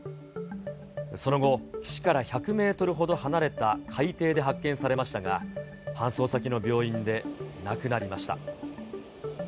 その後、岸から１００メートルほど離れた海底で発見されましたが、搬送先の病院で亡くなりました。